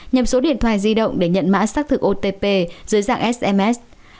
hai nhập số điện thoại di động để nhận mã xác thực otp dưới dạng sms